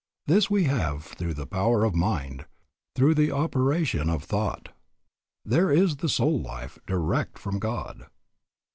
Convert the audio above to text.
This we have through the power of mind, through the operation of thought. There is the soul life, direct from God.